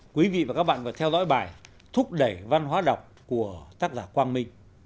quý vị và các bạn vừa theo dõi bài thúc đẩy văn hóa đọc của tác giả quang minh